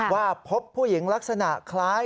ว่าพบผู้หญิงลักษณะคล้าย